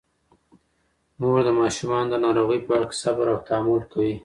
مور د ماشومانو د ناروغۍ په وخت کې صبر او تحمل کوي.